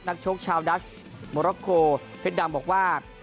นักโชคชาวดัชโมรักโกเพชรดำบอกว่า